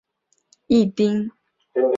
上关町是位于山口县东南部的一町。